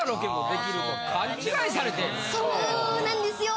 そうなんですよ。